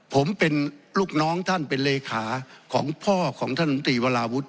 ผมเป็นลูกน้องท่านเป็นเลขาของพ่อของท่านตรีวราวุฒิ